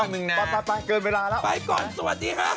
แสดงความเป็นเจ้าข้าว